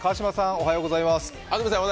おはようございます。